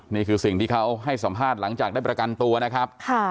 นี่คือสิ่งที่เขาให้สัมภาษณ์หลังจากได้ประกันตัวนะครับ